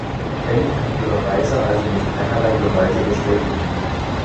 Ellie kann ihre Reise also durch keinerlei Beweise bestätigen.